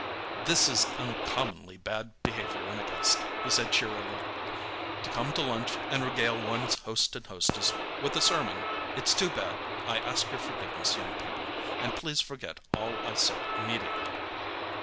"This is uncommonly bad behaviour in a guest," he said cheerily. "To come to lunch, and regale one's host and hostess with a sermon! It's too bad. I ask your forgiveness, young people, and please forget all I said immediately.